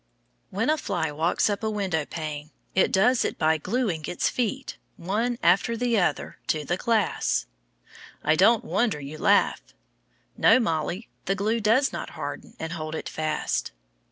When a fly walks up a window pane, it does it by gluing its feet, one after the other, to the glass. I don't wonder you laugh. No, Mollie, the glue does not harden and hold it fast.